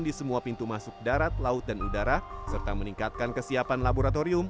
di semua pintu masuk darat laut dan udara serta meningkatkan kesiapan laboratorium